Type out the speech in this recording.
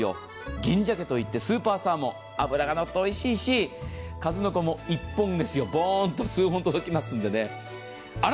銀鮭といってスーパーサーモン、脂がのっておいしいし、数の子も一本がドーンと届きますのでね。